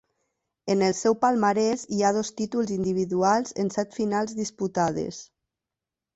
En el seu palmarès hi ha dos títols individuals en set finals disputades.